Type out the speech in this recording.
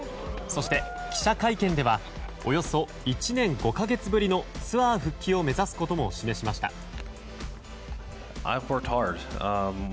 そして、記者会見ではおよそ１年５か月ぶりのツアー復帰を目指すことも示しました。